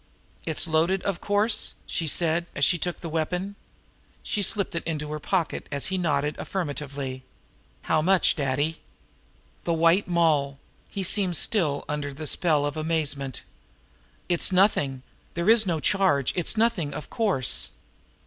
"It's loaded, of course?" she said, as she took the weapon. She slipped it into her pocket as he nodded affirmatively. "How much, Daddy?" "The White Moll!" He seemed still under the spell of amazement. "It is nothing. There is no charge. It is nothing, of course."